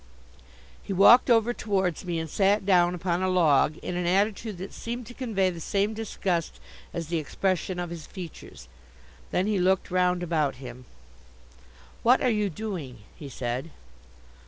He walked over towards me and sat down upon a log in an attitude that seemed to convey the same disgust as the expression of his features. Then he looked round about him. "What are you doing?" he said.